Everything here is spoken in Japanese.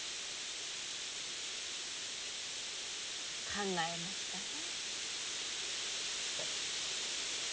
考えましたな。